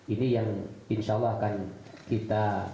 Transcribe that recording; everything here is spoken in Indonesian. ini yang insya allah akan kita